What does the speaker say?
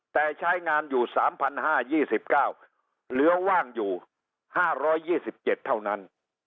แต่ใช้งานอยู่๓๕๒๙เหลือว่างอยู่๕๒๗เท่านั้น